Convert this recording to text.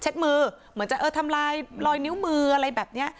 มือเหมือนจะเออทำลายรอยนิ้วมืออะไรแบบนี้